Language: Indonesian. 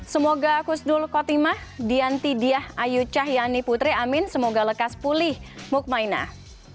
semoga khusnul khotimah diantidiyah ayu cahyani putri amin semoga lekas pulih mukmainah